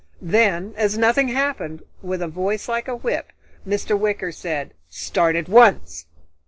Then as nothing happened, with a voice like a whip Mr. Wicker said: "Start at once!"